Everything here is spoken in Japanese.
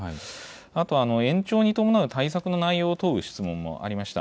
あと延長に伴う対策の内容を問う質問もありました。